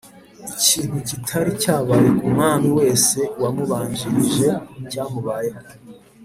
Ikintu kitari cyabaye ku mwami wese wamubanjirije, cyamubayeho